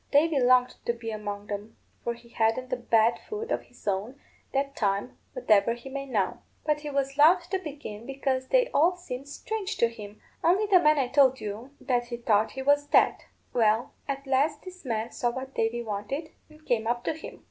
Davy longed to be among 'em (for he hadn't a bad foot of his own, that time, whatever he may now); but he was loth to begin, because they all seemed strange to him, only the man I told you that he thought was dead. Well, at last this man saw what Davy wanted, and came up to him.